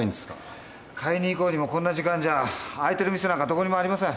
買いに行こうにもこんな時間じゃ開いてる店なんかどこにもありません。